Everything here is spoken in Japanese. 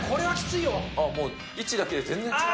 もう位置だけで全然違う。